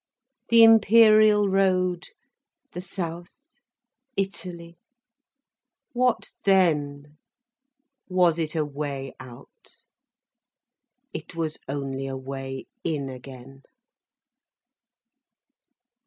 The Imperial road! The south? Italy? What then? Was it a way out? It was only a way in again.